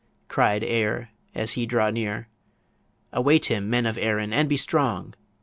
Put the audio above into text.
cried Ere as he drew near 'Await him, Men of Erin, and be strong!'